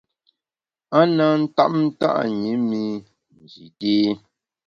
A na ntap nta’ ṅi mi Nji té.